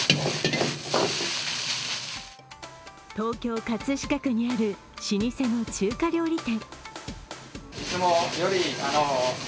東京・葛飾区にある老舗の中華料理店。